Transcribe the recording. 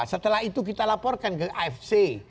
setelah itu kita laporkan ke afc